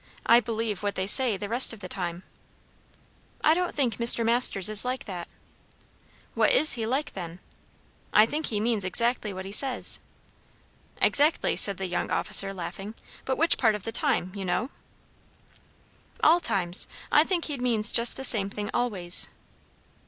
I believe what they say the rest of the time." "I don't think Mr. Masters is like that." "What is he like, then?" "I think he means exactly what he says." "Exactly," said the young officer, laughing; "but which part of the time, you know?" "All times. I think he means just the same thing always."